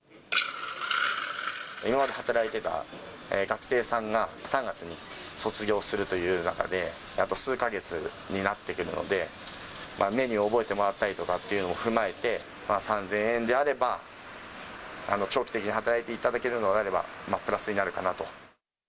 今まで働いてた学生さんが、３月に卒業するという中で、あと数か月になってくるので、メニュー覚えてもらったりとかというのも踏まえて、３０００円であれば、長期的に働いていただけるのであれば、プラスになるかなと。